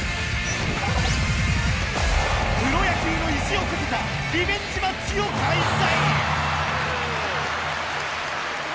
プロ野球の意地を懸けたリベンジマッチを開催！